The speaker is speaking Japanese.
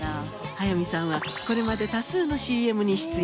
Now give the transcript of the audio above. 早見さんはこれまで多数のＣＭに出演。